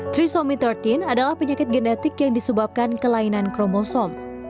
trisomi tiga belas adalah penyakit genetik yang disebabkan kelainan kromosom